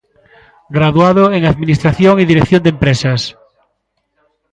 Graduado en Administración e Dirección de Empresas.